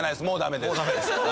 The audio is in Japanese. もうダメです。